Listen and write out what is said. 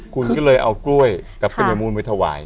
คุณก็เลยเอากล้วยกับกัญญมูลไว้ถวาย